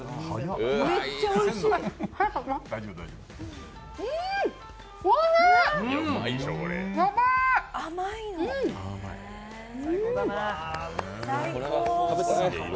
めっちゃおいしい。